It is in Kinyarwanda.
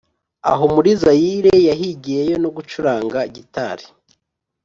aho muri zayire yahigiyeyo no gucuranga gitari